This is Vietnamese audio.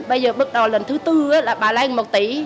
bây giờ bước đầu lần thứ bốn là bà lấy một tỷ